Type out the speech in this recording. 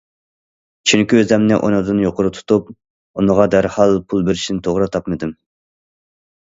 چۈنكى ئۆزۈمنى ئۇنىڭدىن يۇقىرى تۇتۇپ، ئۇنىڭغا دەرھاللا پۇل بېرىشنى توغرا تاپمىدىم.